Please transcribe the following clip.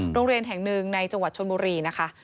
โรงเรียนแห่งหนึ่งในจังหวัดชนบุรีนะคะ